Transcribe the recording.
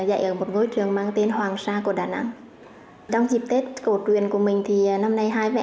hai mẹ con được ra ở ngoài nhà công vụ là bên bộ đội xây cho